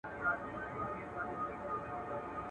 o د توري ټپ جوړېږي، د ژبي ټپ نه جوړېږي.